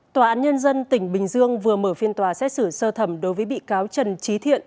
tòa án nhân dân tỉnh bình dương vừa mở phiên tòa xét xử sơ thẩm đối với bị cáo trần trí thiện